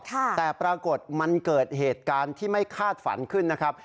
แต่ปรากฏมันเกิดเหตุการณ์ที่ไม่คาดฝันขึ้นนะครับ